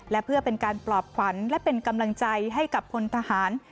และเพื่อเป็นการปลอบขวัญและเป็นกำลังใจให้กับพลทหาร